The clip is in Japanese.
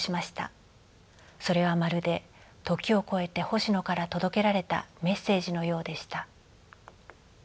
それはまるで時を超えて星野から届けられたメッセージのようでした。